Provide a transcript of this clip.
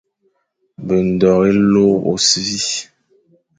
Be ndôghe lôr ôsṽi,